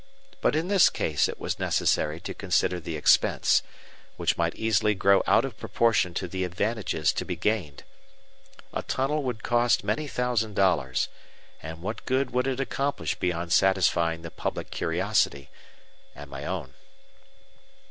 But in this case it was necessary to consider the expense, which might easily grow out of proportion to the advantages to be gained. A tunnel would cost many thousand dollars, and what good would it accomplish beyond satisfying the public curiosity and my own?